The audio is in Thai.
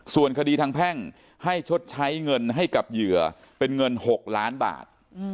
ส่วนคดีทางแพ่งให้ชดใช้เงินให้กับเหยื่อเป็นเงิน๖ล้านบาท